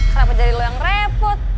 kenapa jadi lo yang repot